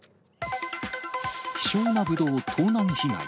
希少なぶどう盗難被害。